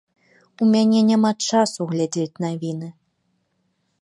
У мяне няма часу глядзець навіны.